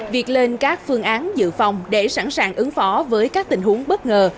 việc lên các phương án dự phòng để sẵn sàng ứng phó với các tình huống bất ngờ